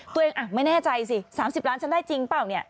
ตัวเองไม่แน่ใจสิ๓๐ล้านบาทฉันได้จริงเปล่า